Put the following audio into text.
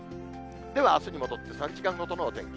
ではあすに戻って３時間ごとのお天気。